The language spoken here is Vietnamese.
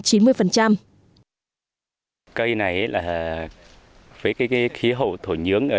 cây này với khí hậu thổ nhướng ở đây